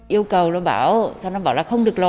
yêu cầu nó bảo xong nó bảo là không được lo